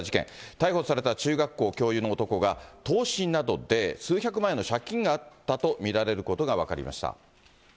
逮捕された中学校教諭の男が、投資などで数百万円の借金があったと見られることが分かりました。